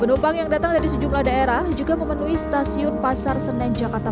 penumpang yang datang dari sejumlah daerah juga memenuhi stasiun pasar senen jakarta